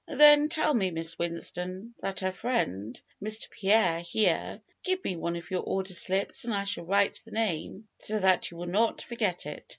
"Then tell Miss Winston that her friend, Mr. Pierre — here, give me one of your order slips and I shall write the name so that you will not forget it.